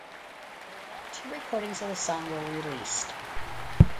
Two recordings of the song were released.